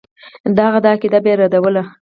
د هغه دا عقیده به یې ردوله.